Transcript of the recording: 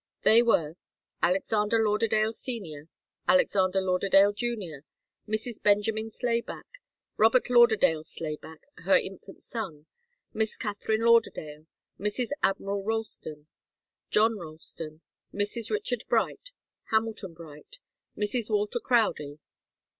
They were: Alexander Lauderdale Senior, Alexander Lauderdale Junior, Mrs. Benjamin Slayback, Robert Lauderdale Slayback, her infant son, Miss Katharine Lauderdale, Mrs. Admiral Ralston, John Ralston, Mrs. Richard Bright, Hamilton Bright, Mrs. Walter Crowdie.